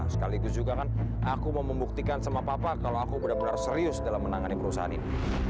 sekaligus juga kan aku mau membuktikan sama papa kalau aku benar benar serius dalam menangani perusahaan ini